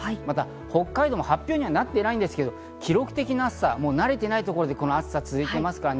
北海道も発表されていませんが、記録的な暑さ、慣れていないところで暑さが続いています。